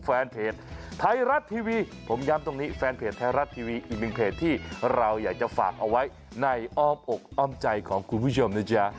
แฟนเพจไทยรัฐทีวีผมย้ำตรงนี้แฟนเพจไทยรัฐทีวีอีกหนึ่งเพจที่เราอยากจะฝากเอาไว้ในอ้อมอกอ้อมใจของคุณผู้ชมนะจ๊ะ